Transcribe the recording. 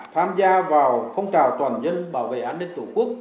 tham gia vào phong trào toàn dân bảo vệ an ninh tổ quốc